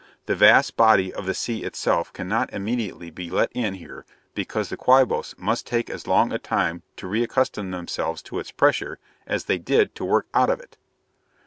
The vast body of the sea itself cannot immediately be let in here because the Quabos must take as long a time to re accustom themselves to its pressure as they did to work out of it."